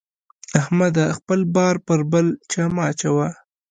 احمده! خپل بار پر بل چا مه اچوه.